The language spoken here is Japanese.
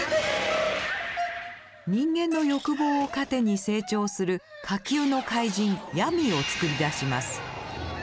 人間の欲望を糧に成長する下級の怪人ヤミーを作り出します。